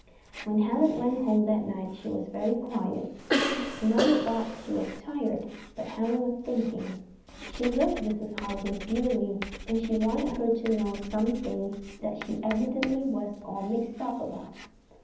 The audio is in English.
When Helen went home that night she was very quiet. Her mother thought she was tired, but Helen was thinking. She loved Mrs. Hargrave dearly, and she wanted her to know some things that she evidently was all mixed up about.